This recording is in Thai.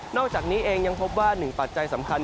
อกจากนี้เองยังพบว่าหนึ่งปัจจัยสำคัญ